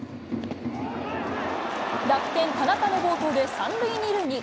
楽天、田中の暴投で３塁２塁に。